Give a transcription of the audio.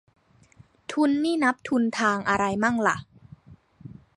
ทุนนี่นับทุนทางอะไรมั่งล่ะ